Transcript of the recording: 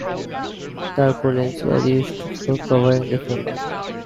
Tarpaulins were used for covering the framework.